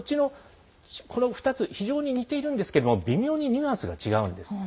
この２つ、非常に似ているんですけれども微妙にニュアンスが違うんです。